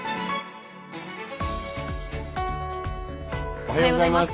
おはようございます。